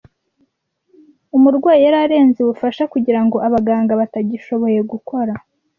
Umurwayi yari arenze ubufasha, kugirango abaganga batagishoboye gukora.